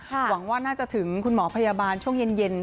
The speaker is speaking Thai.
หวังว่าน่าจะถึงคุณหมอพยาบาลช่วงเย็น